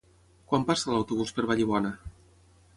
Quan passa l'autobús per Vallibona?